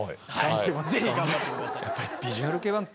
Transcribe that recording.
ぜひ頑張ってください。